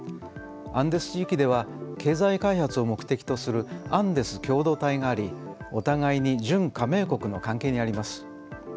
アンデス地域では経済開発を目的とするアンデス共同体がありお互いに準加盟国の関係にあります。